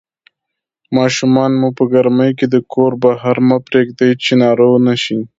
ماشومان مو په ګرمۍ کې د کور بهر مه پرېږدئ چې ناروغ نشي